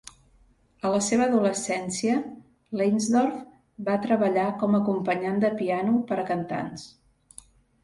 A la seva adolescència, Leinsdorf va treballar com a acompanyant de piano per a cantants.